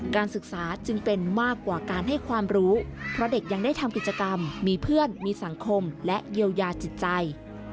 การศึกษาจึงเป็นมากกว่าการให้ความรู้เพราะเด็กยังได้ทำกิจกรรมมีเพื่อนมีสังคมและเยียวยาจิตใจ